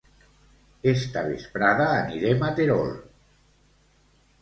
Esta vesprada anirem a Terol.